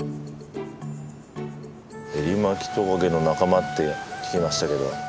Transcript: エリマキトカゲの仲間って聞きましたけど。